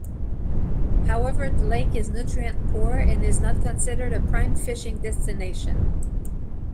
However, the lake is nutrient-poor and is not considered a prime fishing destination.